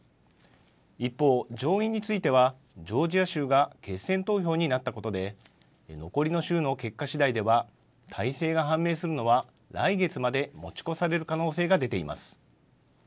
一方、上院については、ジョージア州が決選投票になったことで、残りの州の結果しだいでは、大勢が判明するのは来月まで持ち越される可能性が出ています。